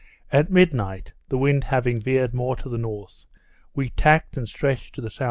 At midnight, the wind having veered more to the north, we tacked and stretched to the S.E.